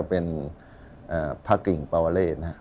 ก็เป็นพระกริงปวเลสนะครับ